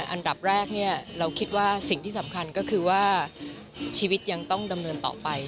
อันดับแรกเราคิดว่าสิ่งที่สำคัญก็คือว่าชีวิตยังต้องดำเนินต่อไป